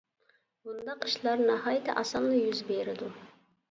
بۇنداق ئىشلار ناھايىتى ئاسانلا يۈز بېرىدۇ.